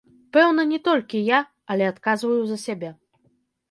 Пэўна, не толькі я, але адказваю за сябе.